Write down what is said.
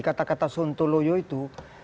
kata kata suntuloyo itu